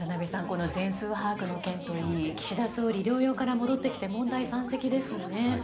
この全数把握の件といい岸田総理、療養から戻ってきて問題山積ですね。